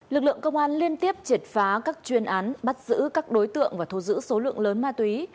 lực lượng công an liên tiếp triệt phá các chuyên án bắt giữ các đối tượng và thu giữ số lượng lớn ma túy